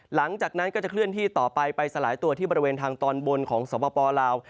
หลังจากนั้นก็จะเคลื่อนที่ต่อไปไปสลายตัวที่บริเวณทางตอนบนของสปลาว